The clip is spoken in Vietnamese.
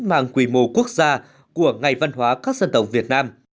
mang quy mô quốc gia của ngày văn hóa các dân tộc việt nam